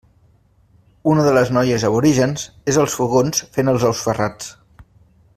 Una de les noies aborígens és als fogons fent els ous ferrats.